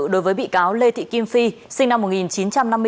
đối với bị cáo lê thị kim phi sinh năm một nghìn chín trăm năm mươi bốn